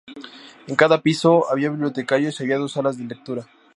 En cada piso había bibliotecarios y había dos salas de lectura.